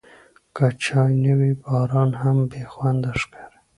که چای نه وي، باران هم بېخونده ښکاري.